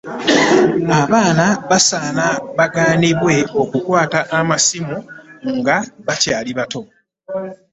Abaana basaana bagaanibwe okukwata amasimu nga bakyali bato.